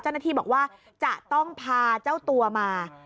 เจ้าหน้าที่บอกว่าจะต้องพาเจ้าตัวมา